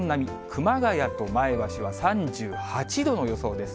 熊谷と前橋は３８度の予想です。